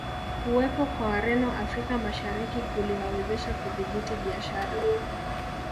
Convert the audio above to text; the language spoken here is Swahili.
Kuwepo kwa Wareno Afrika Mashariki kuliwawezesha kudhibiti biashara